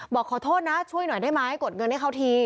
บอกขอโทษนะช่วยหน่อยได้ไหมกดเงินให้เขาที